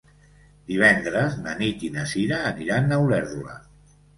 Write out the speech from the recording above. Divendres na Nit i na Cira aniran a Olèrdola.